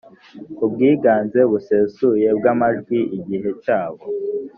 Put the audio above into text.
ku bwiganze busesuye bw amajwi igihe cyabo